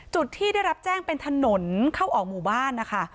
จุดที่ได้รับแจ้งเป็นถนนเข้าออกหมู่บ้านนะคะ